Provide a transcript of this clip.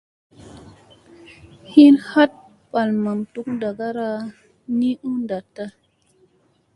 Hin hat balamaŋ duk ndaŋgara ni u ndatta.